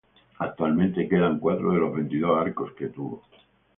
Actualmente quedan cuatro de los veintidós arcos que tuvo.